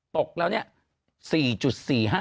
ตกแล้วเนี่ย